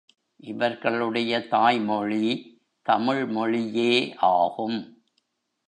இவர்களுடைய தாய்மொழி தமிழ் மொழியே ஆகும்.